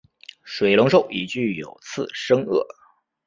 水龙兽已具有次生腭。